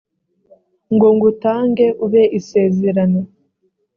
ngo ngutange ube isezerano